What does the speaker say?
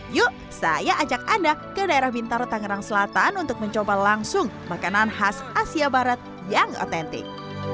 yuk saya ajak anda ke daerah bintaro tangerang selatan untuk mencoba langsung makanan khas asia barat yang otentik